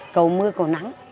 cầu mưa cầu nắng